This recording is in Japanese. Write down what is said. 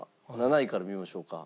７位から見ましょうか。